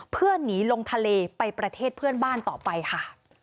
เพื่อหนีลงทะเลไปประเทศเพื่อนบ้านต่อไปค่ะ